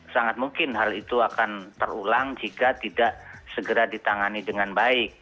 sangat mungkin hal itu akan terulang jika tidak segera ditangani dengan baik